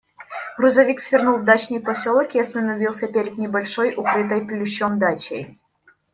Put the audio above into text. Грузовик свернул в дачный поселок и остановился перед небольшой, укрытой плющом дачей.